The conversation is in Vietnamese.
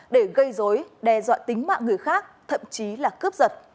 để gây dối đe dọa tính mạng người khác thậm chí là cướp giật